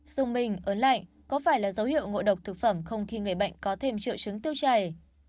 dùng mình ấn lạnh có phải là dấu hiệu ngộ độc thực phẩm không khi người bệnh có thêm trựa chứng tiêu chảy